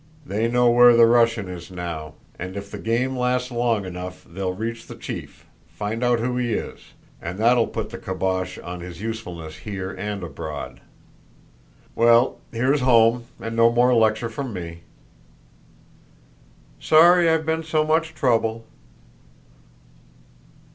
They know where the Russian is now; and if the game lasts long enough they'll reach the chief, find out who he is; and that'll put the kibosh on his usefulness here and abroad. Well, here's home, and no more lecture from me." "Sorry I've been so much trouble."